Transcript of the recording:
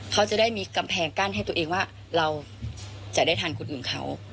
เขาจะได้มีกำแพงกั้นให้ตัวเองว่าเราจะได้ทันคนอื่นเขา